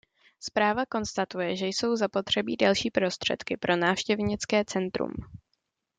Zpráva konstatuje, že jsou zapotřebí další prostředky pro návštěvnické centrum.